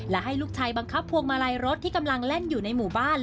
และให้ลูกชายบังคับพวงมาลัยรถที่กำลังเล่นอยู่ในหมู่บ้าน